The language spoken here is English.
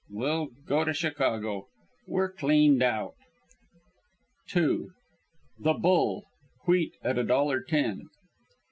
We'll go to Chicago. We're cleaned out!" II. THE BULL WHEAT AT A DOLLAR TEN ...